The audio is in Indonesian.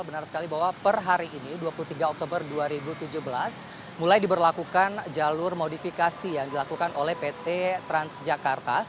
benar sekali bahwa per hari ini dua puluh tiga oktober dua ribu tujuh belas mulai diberlakukan jalur modifikasi yang dilakukan oleh pt transjakarta